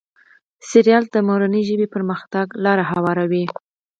ډرامه د مورنۍ ژبې پرمختګ ته لاره هواروي